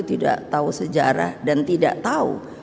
tidak tahu sejarah dan tidak tahu